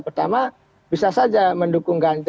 pertama bisa saja mendukung ganjar